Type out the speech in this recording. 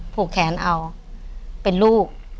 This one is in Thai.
ผูกแขนเอาเป็นลูก